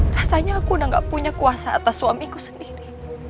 rasanya aku udah gak punya kuasa atas suamiku sendiri